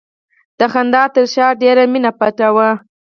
د خندا تر شا ډېره مینه پټه وي.